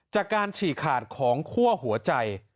จากการฉี่ขาดของคั่วหัวใจ